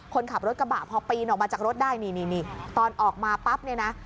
คนขับรถกระบะพอปีนออกมาจากรถได้นี่ตอนออกมาปั๊บเนี่ยนะ